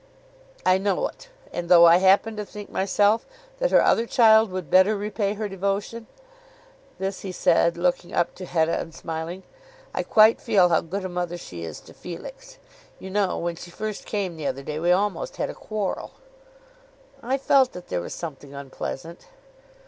"I know it; and though I happen to think myself that her other child would better repay her devotion," this he said, looking up to Hetta and smiling, "I quite feel how good a mother she is to Felix. You know, when she first came the other day we almost had a quarrel." "I felt that there was something unpleasant."